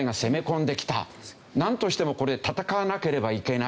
なんとしてもこれ戦わなければいけない。